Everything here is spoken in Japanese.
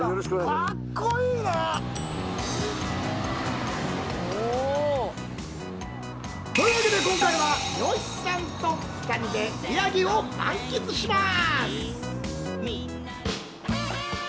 格好いいなぁ！というわけで、今回は、吉さんと２人で宮城を満喫します。